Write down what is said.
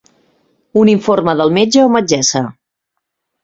Un informe del metge o metgessa.